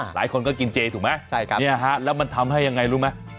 หลายคนก็กินเจถูกไหมแล้วมันทำให้ยังไงรู้ไหม